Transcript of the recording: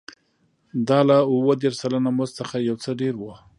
دا له اووه دېرش سلنه مزد څخه یو څه ډېر و